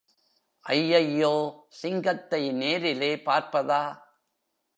ஐயையோ, சிங்கத்தை நேரிலே பார்ப்பதா!